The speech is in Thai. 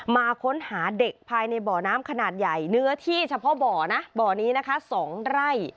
มาค้นหาเด็กภายในบ่อน้ำขนาดใหญ่เนื้อที่เฉพาะบ่อนะบ่อนี้นะคะ๒ไร่